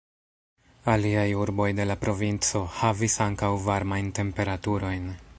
Aliaj urboj de la provinco, havis ankaŭ varmajn temperaturojn.